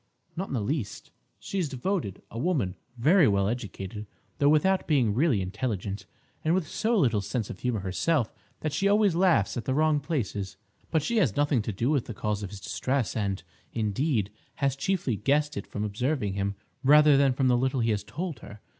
"Not in the least. She is devoted; a woman very well educated, though without being really intelligent, and with so little sense of humour herself that she always laughs at the wrong places. But she has nothing to do with the cause of his distress; and, indeed, has chiefly guessed it from observing him, rather than from what little he has told her.